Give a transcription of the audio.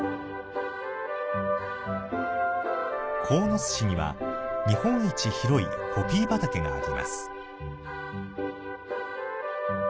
鴻巣市には日本一広いポピー畑があります。